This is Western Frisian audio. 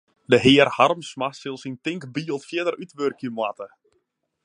De hear Harmsma sil syn tinkbyld fierder útwurkje moatte.